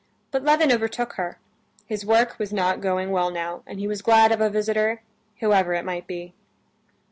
But Levin overtook her. His work was not going well now, and he was glad of a visitor, whoever it might be.